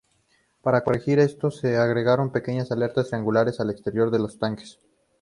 Para corregir esto, se agregaron pequeñas aletas triangulares al exterior de los tanques.